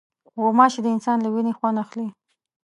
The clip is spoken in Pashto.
غوماشې د انسان له وینې خوند اخلي.